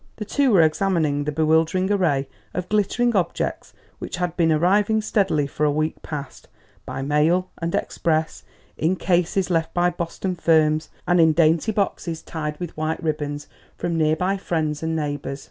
The two were examining the bewildering array of glittering objects which had been arriving steadily for a week past, by mail and express; in cases left by Boston firms, and in dainty boxes tied with white ribbons from near by friends and neighbours.